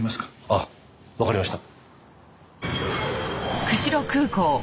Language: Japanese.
ああわかりました。